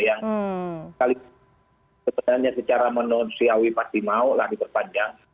yang sebenarnya secara manusiawi pasti mau lagi terpanjang